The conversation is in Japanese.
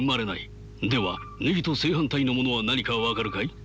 ではネギと正反対のものは何か分かるかい？